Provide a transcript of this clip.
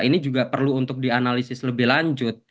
ini juga perlu untuk dianalisis lebih lanjut